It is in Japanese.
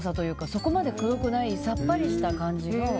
そこまでくどくないさっぱりした感じの。